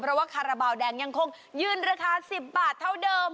เพราะว่าคาราบาลแดงยังคงยืนราคา๑๐บาทเท่าเดิม